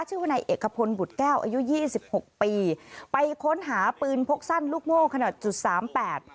วนายเอกพลบุตรแก้วอายุยี่สิบหกปีไปค้นหาปืนพกสั้นลูกโม่ขนาดจุดสามแปด